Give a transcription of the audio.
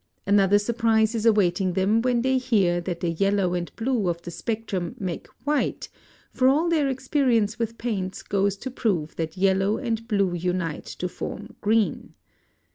Another surprise is awaiting them when they hear that the yellow and blue of the spectrum make white, for all their experience with paints goes to prove that yellow and blue unite to form green.